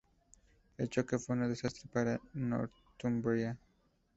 El choque fue un desastre para Northumbria.